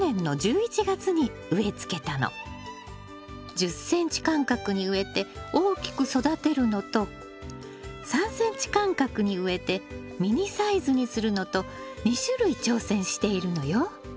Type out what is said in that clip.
１０ｃｍ間隔に植えて大きく育てるのと３ｃｍ間隔に植えてミニサイズにするのと２種類挑戦しているのよ。